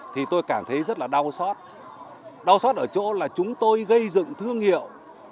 thì tôi cảm thấy rất là đau xót đau xót ở chỗ là chúng tôi gây dựng thương hiệu